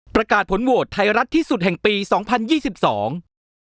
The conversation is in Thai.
ประกาศผลโหวตไทยรัฐที่สุดแห่งปีสองพันยี่สิบสอง